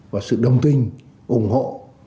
và sự đồng tình ủng hộ